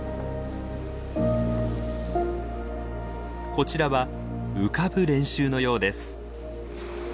こちらは浮かぶ練習のようです。